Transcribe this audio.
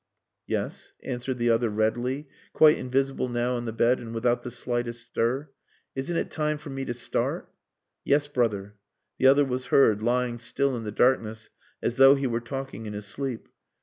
"Yes," answered the other readily, quite invisible now on the bed and without the slightest stir. "Isn't it time for me to start?" "Yes, brother." The other was heard, lying still in the darkness as though he were talking in his sleep.